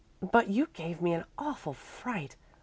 "But you gave me an awful fright.